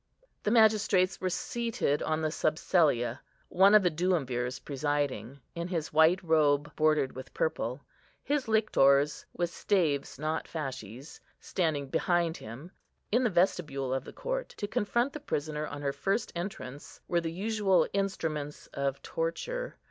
The magistrates were seated on the subsellia, one of the Duumvirs presiding, in his white robe bordered with purple; his lictors, with staves, not fasces, standing behind him. In the vestibule of the court, to confront the prisoner on her first entrance, were the usual instruments of torture.